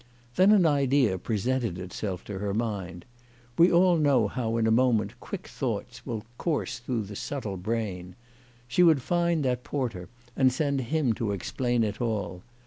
Then an idea presented itself to her mind. We all know how in a moment quick thoughts will course through the subtle brain. She would find that porter and send him to explain it all.